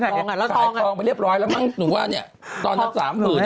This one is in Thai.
ไปไหนอ่ะแล้วทองอ่ะขายทองไปเรียบร้อยแล้วมั่งหนูว่าเนี่ยตอนนั้น๓๐๐๐๐บาท